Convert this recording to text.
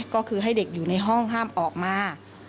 ก็คือให้เด็กอยู่ในห้องห้ามออกมา